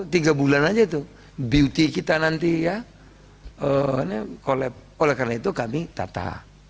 tiga bulan aja itu beauty kita nanti ya oleh karena itu kami tata